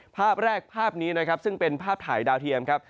ภาพแรกภาพนี้นะครับซึ่งเป็นภาพถ่ายดาวเทียมครับ